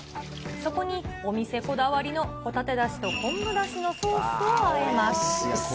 そこに、お店こだわりのホタテだしと昆布だしのソースをあえます。